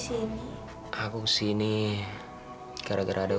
seenggak ada yang udah nama